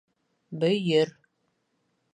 Бөйөр